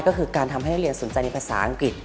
ก็คือการทำให้นักเรียนสนใจในภาษาอังกฤษ